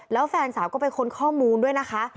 แล้วแฟนสาวก็ไปค้นข้อมูลด้วยนะคะ